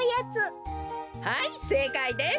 はいせいかいです。